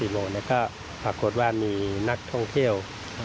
๔โมงก็ปรากฏว่ามีนักท่องเที่ยว